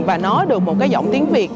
và nói được một cái giọng tiếng việt